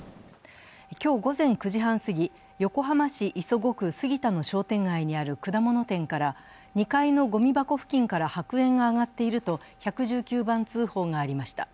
今日午前９時半すぎ横浜市磯子区杉田の商店街にある果物店から２階のごみ箱付近から白煙が上がっていると１１９番通報がありました。